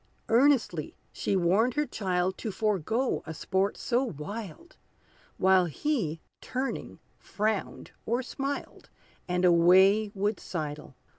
Earnestly she warned her child To forego a sport so wild; While he, turning, frowned or smiled, And away would sidle.